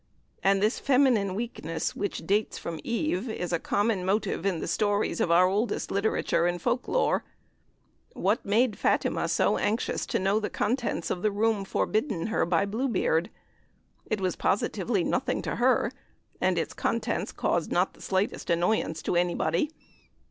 And this feminine weakness, which dates from Eve, is a common motive in the stories of our oldest literature and Folk lore. What made Fatima so anxious to know the contents of the room forbidden her by Bluebeard? It was positively nothing to her, and its contents caused not the slightest annoyance to anybody.